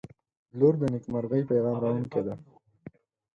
• لور د نیکمرغۍ پیغام راوړونکې ده.